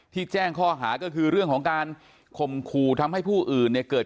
ที่แจ้งข้อหาก็คือเรื่องของการขมครูทำให้ผู้อื่นเนี่ย